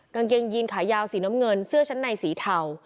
กางเกงยีนขายาวสีน้ำเงินเสื้อชั้นในสีเทา